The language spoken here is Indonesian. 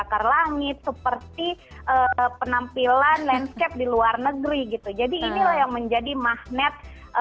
karena memang ada magnet